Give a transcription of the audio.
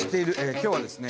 今日はですね